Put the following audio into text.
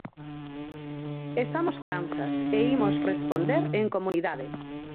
"Estamos cansas e imos responder en comunidade".